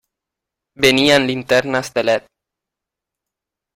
Venía linternas de leds.